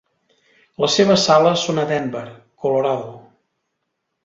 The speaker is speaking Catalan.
Les seves sales són a Denver (Colorado).